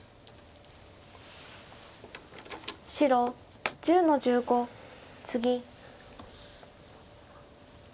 白１０の十五ツギ。